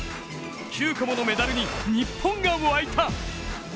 ９個ものメダルに日本が沸いた。